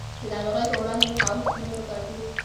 د ناروغیو په وړاندې مقاوم تخمونه پکار دي.